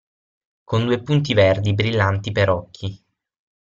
Con due punti verdi brillanti per occhi.